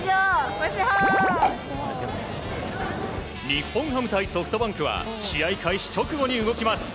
日本ハム対ソフトバンクは試合開始直後に動きます。